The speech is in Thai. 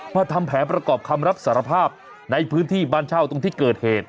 ทำแผนประกอบคำรับสารภาพในพื้นที่บ้านเช่าตรงที่เกิดเหตุ